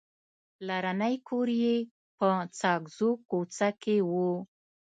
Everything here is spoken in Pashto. پلرنی کور یې په ساګزو کوڅه کې و.